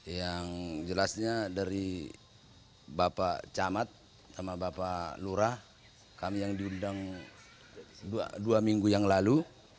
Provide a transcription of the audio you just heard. yang jelasnya dari bapak camat sama bapak lurah kami yang diundang dua minggu yang lalu